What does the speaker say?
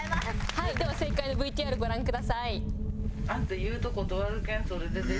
はいでは正解のＶＴＲご覧ください。